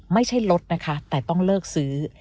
ไม่ใช่ลดนะคะแต่ต้องเลิกซื้อ